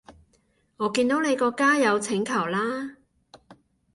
我見到你個加友請求啦